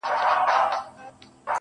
يې پټ په لاس نوکاره کړ او ويې ويل